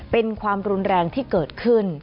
เป็นความรุนแรงที่เกิดขึ้น